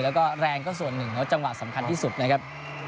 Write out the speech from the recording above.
แล้วก็แรงก็ส่วนหนึ่งแล้วจังหวะสำคัญที่สุดนะครับ